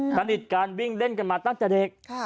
สนิทกันวิ่งเล่นกันมาตั้งแต่เด็ก